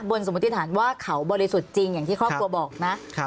สมมุติฐานว่าเขาบริสุทธิ์จริงอย่างที่ครอบครัวบอกนะ